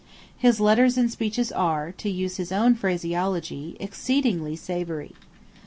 His letters and speeches are, to use his own phraseology, exceeding savoury.